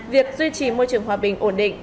việc duy trì môi trường hòa bình ổn định